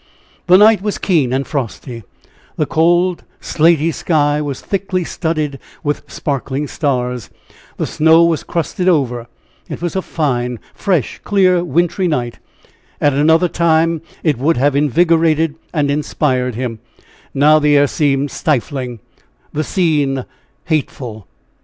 The night was keen and frosty, the cold, slaty sky was thickly studded with sparkling stars, the snow was crusted over it was a fine, fresh, clear, wintry night; at another time it would have invigorated and inspired him; now the air seemed stifling, the scene hateful.